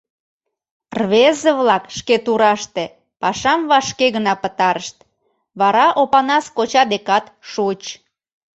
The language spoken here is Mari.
Рвезе-влак шке тураште пашам вашке гына пытарышт, вара Опанас коча декат шуыч.